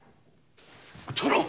殿！